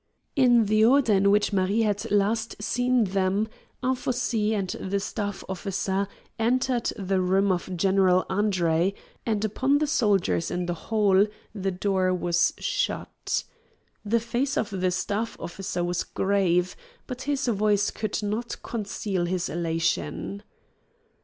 In the order in which Marie had last seen them, Anfossi and the staff officer entered the room of General Andre, and upon the soldiers in the hall the door was shut. The face of the staff officer was grave, but his voice could not conceal his elation.